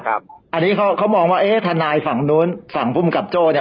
อันนี้เขามองว่าเอ๊ะทนายฝั่งนู้นฝั่งภูมิกับโจ้เนี่ย